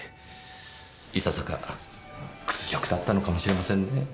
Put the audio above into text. いささか屈辱だったのかもしれませんねぇ。